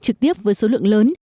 trực tiếp với số lượng lớn